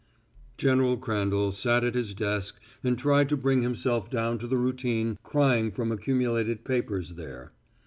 General Crandall sat at his desk and tried to bring himself down to the routine crying from accumulated papers there.